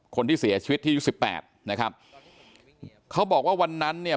คนที่เสียชีวิตที่อายุสิบแปดนะครับเขาบอกว่าวันนั้นเนี่ย